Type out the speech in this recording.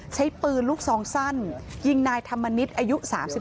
ใช้ปืนลูกซองสั้นยิงนายธรรมนิษฐ์อายุ๓๒